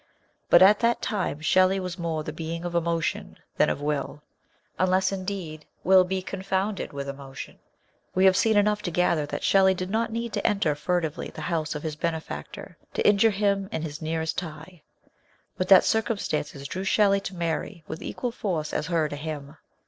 But at that time Shelley was more the being of emotion than of will unless, indeed, will be confounded with emotion. We have seen enough to gather that Shelley did not need to enter furtively the house of his benefactor to injure him in his nearest tie, but that circumstances drew Shelley to Mary with equal force as her to him.